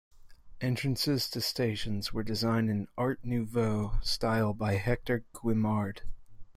Entrances to stations were designed in "art nouveau" style by Hector Guimard.